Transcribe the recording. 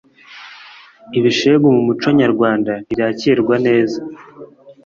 ibishegu mumuco nyarwanda ntibyakirwa neza.